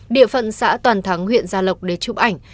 địa phận xã toàn thắng huyện gia lộc để chụp ảnh